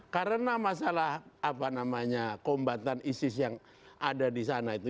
karena masalah apa namanya kombatan isis yang ada di sana itu